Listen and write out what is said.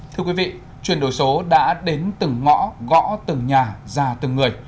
thưa quý vị chuyển đổi số đã đến từng ngõ gõ từng nhà ra từng người